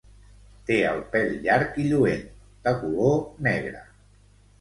Té el pèl llarg i lluent, de color negre.